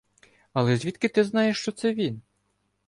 — Але ж звідки ти знаєш, що це він?